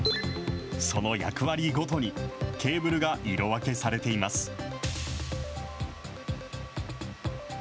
その役割ごとに、ケーブルが色分けされています。